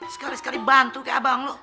sekali sekali bantu ke abang lo